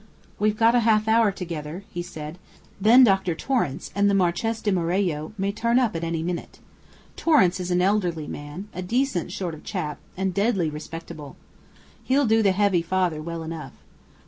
"We've got a half hour together," he said. "Then Dr. Torrance and the Marchese di Morello may turn up at any minute. Torrance is an elderly man, a decent sort of chap, and deadly respectable. He'll do the heavy father well enough.